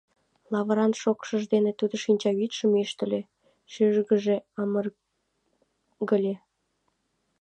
Лавыран шокшыж дене тудо шинчавӱдшым ӱштыльӧ, шӱргыжӧ амыргыле.